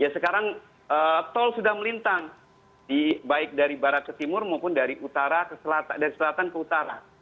sekarang tol sudah melintang baik dari barat ke timur maupun dari utara dari selatan ke utara